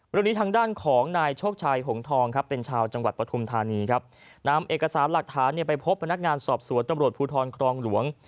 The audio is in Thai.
เรื่องนี้ทางด้านของนายโชคชัยหงทองครับเป็นชาวจังหวัดปฐุมธานีครับนำเอกสารหลักฐานไปพบพนักงานสอบสวนตำรวจภูทรครองหลวง